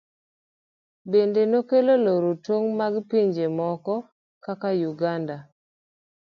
Bende nokelo loro tong' mag pinje moko kaka Uganda.